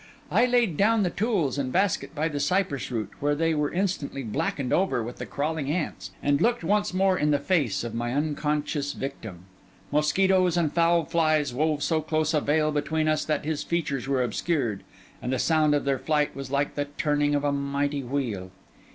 I laid down the tools and basket by the cypress root, where they were instantly blackened over with the crawling ants; and looked once more in the face of my unconscious victim. Mosquitoes and foul flies wove so close a veil between us that his features were obscured; and the sound of their flight was like the turning of a mighty wheel.